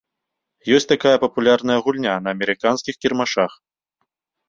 Ёсць такая папулярная гульня на амерыканскіх кірмашах.